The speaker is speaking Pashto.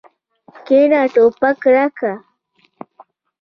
کېنه ټوپک راکړه.